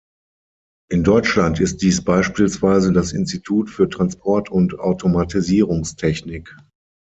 In Deutschland ist dies beispielsweise das Institut für Transport- und Automatisierungstechnik.